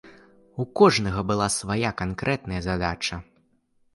У кожнага была свая канкрэтная задача.